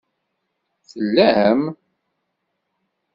Tellam?